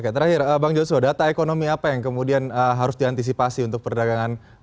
oke terakhir bang joshua data ekonomi apa yang kemudian harus diantisipasi untuk perdagangan